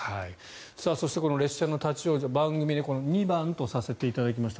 そして、列車の立ち往生番組で２番とさせていただきました